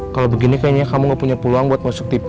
kalau begini kayaknya kamu gak punya peluang buat masuk tv